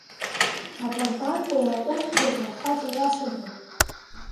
Апарпарқәа иааҟәымҵӡакәа ахаҵа иацәажәон.